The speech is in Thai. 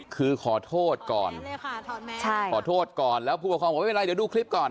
คือขอโทษก่อนขอโทษก่อนแล้วผู้ปกครองบอกไม่เป็นไรเดี๋ยวดูคลิปก่อน